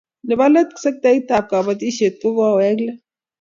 Nebo let sektait ab kabatishet ko kokowek let